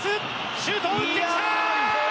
シュートを打ってきた！